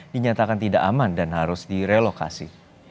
dinyatakan tidak aman dan harus direlokasi